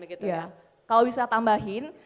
kalau bisa tambahin